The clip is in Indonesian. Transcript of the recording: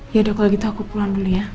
yaudah kalau gitu aku pulang dulu ya